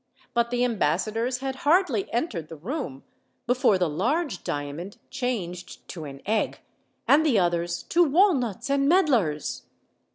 But the ambassadors had hardly entered the room before the large diamond changed to an egg, and the others to walnuts and medlars.